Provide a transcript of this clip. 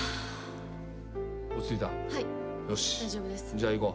じゃあいこう。